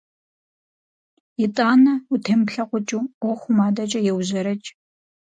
ИтӀанэ, утемыплъэкъукӀыу, Ӏуэхум адэкӀэ еужьэрэкӀ.